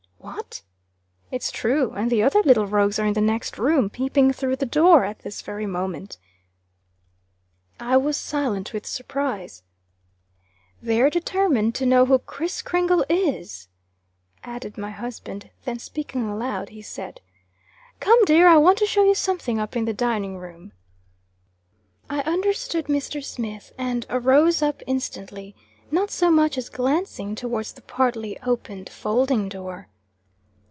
"What!" "It's true. And the other little rogues are in the next room, peeping through the door, at this very moment." I was silent with surprise. "They're determined to know who Kriss Kringle is," added my husband; then speaking aloud, he said: "Come, dear, I want to show you something up in the dining room." I understood Mr. Smith, and arose up instantly, not so much as glancing towards the partly opened folding door.